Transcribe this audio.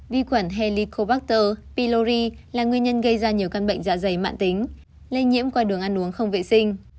vi khuẩn helicobacter pylori là nguyên nhân gây ra nhiều căn bệnh dạ dày mạn tính lây nhiễm qua đường ăn uống không vệ sinh